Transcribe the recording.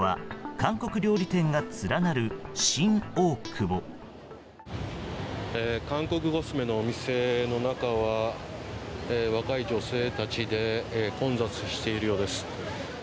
韓国コスメのお店の中は若い女性たちで混雑しているようです。